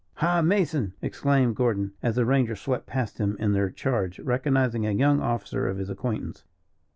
"Ha, Mason," exclaimed Gordon, as the rangers swept past him in their charge, recognizing a young officer of his acquaintance.